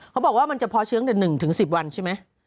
เขาบอกว่ามันจะพอเชื้อ๑๑๐วันใช่ไหม